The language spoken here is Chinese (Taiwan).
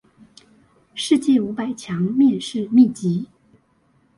世界五百強面試秘笈